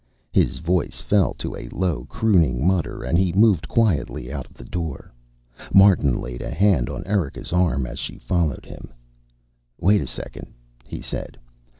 His voice fell to a low, crooning mutter, and he moved quietly out of the door. Martin laid a hand on Erika's arm as she followed him. "Wait a second," he said.